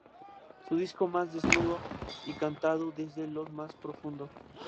Su disco más desnudo y cantado desde lo más profundo.